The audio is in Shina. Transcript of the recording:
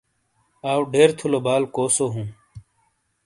آؤ ڈیر تھُلو بال کوسو ہُوں؟